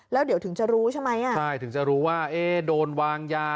แล้วเดี๋ยวจะรู้ใช่ไหมถึงจะรู้ว่าเฮ่ยโดนวางยา